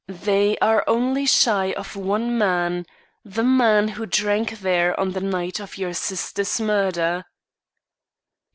They are only shy of one man the man who drank there on the night of your sister's murder."